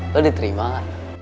lo diterima kan